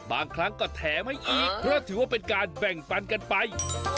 บางครั้งก็แถมให้อีกเพราะถือว่าเป็นการแบ่งปันกันไป